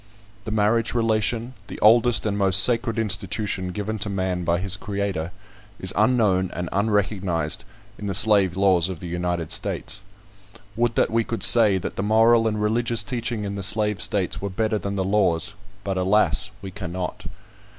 The marriage relation, the oldest and most sacred institution given to man by his Creator, is unknown and unrecognised in the slave laws of the United States. Would that we could say, that the moral and religious teaching in the slave states were better than the laws; but, alas! we cannot.